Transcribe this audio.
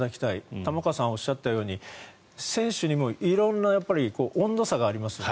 玉川さんがおっしゃったように選手にも色んな温度差がありますよね。